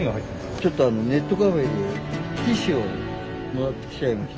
ちょっとネットカフェでティッシュをもらってきちゃいまして。